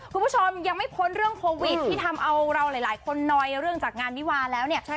คุณผู้ชมยังไม่พ้นเรื่องโควิดที่ทำเอาเราหลายคนหน่อยเรื่องจากงานวิวาแล้วเนี่ย